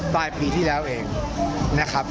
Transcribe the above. ปลายปีที่แล้วเองนะครับ